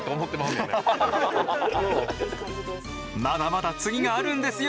まだまだ次があるんですよ。